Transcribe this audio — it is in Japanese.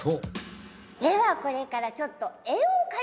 ではこれからちょっとえっ？